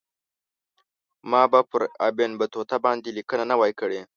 ما به پر ابن بطوطه باندې لیکنه نه وای کړې.